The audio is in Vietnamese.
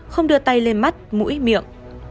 không đưa tay lên mắt mũi miệng